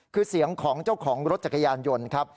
คือเสียงของเจ้าของรถจักรยานยนต์ครับ